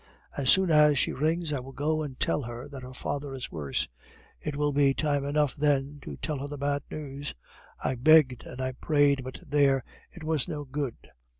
As soon as she rings, I will go and tell her that her father is worse. It will be time enough then to tell her bad news!' I begged and I prayed, but, there! it was no good.